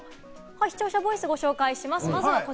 視聴者ボイス、ご紹介します。